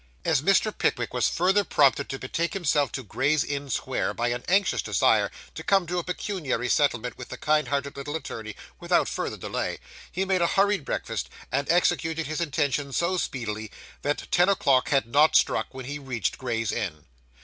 As Mr. Pickwick was further prompted to betake himself to Gray's Inn Square by an anxious desire to come to a pecuniary settlement with the kind hearted little attorney without further delay, he made a hurried breakfast, and executed his intention so speedily, that ten o'clock had not struck when he reached Gray's Inn.